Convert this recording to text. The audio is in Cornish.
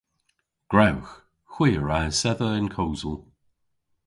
Gwrewgh. Hwi a wra esedha yn kosel.